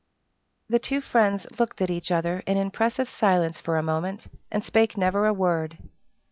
The two friends looked at each other in impressive silence for a moment, and spake never a word.